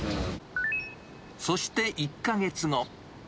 そして１か月後。